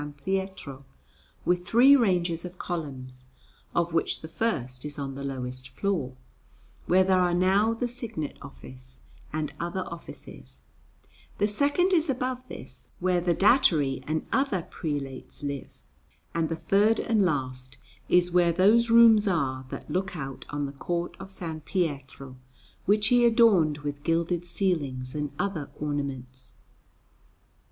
Pietro, with three ranges of columns, of which the first is on the lowest floor, where there are now the Signet Office and other offices; the second is above this, where the Datary and other prelates live; and the third and last is where those rooms are that look out on the court of S. Pietro, which he adorned with gilded ceilings and other ornaments.